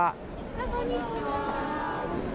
あっ、こんにちは。